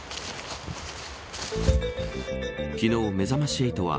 昨日めざまし８は